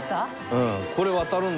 うん。